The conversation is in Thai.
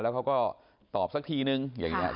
แล้วก็ตอบสักทีนึง